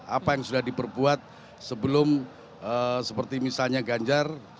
apa yang sudah diperbuat sebelum seperti misalnya ganjar